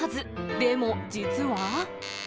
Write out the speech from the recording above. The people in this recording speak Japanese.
でも実は。